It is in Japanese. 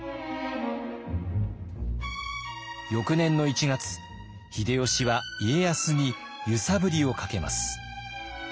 翌年の１月秀吉は家康に揺さぶりをかけます。